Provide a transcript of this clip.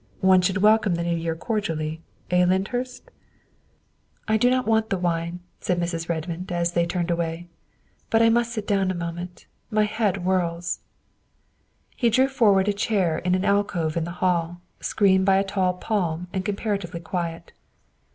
One should welcome the New Year cordially eh, Lyndhurst ?''" I do not want the wine," said Mrs. Redmond as 222 THE WIFE OF they turned away, " but I must sit down a moment ; my head whirls." He drew forward a chair in an alcove in the hall, screened by a tall palm and comparatively quiet.